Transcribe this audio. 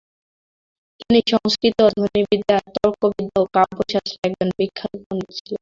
তিনি সংস্কৃত ধ্বনিবিদ্যা, তর্কবিদ্যা ও কাব্যশাস্ত্রে একজন বিখ্যাত পণ্ডিত ছিলেন।